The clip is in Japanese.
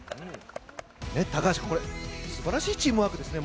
ねえ、高橋君、これ、すばらしいチームワークですね。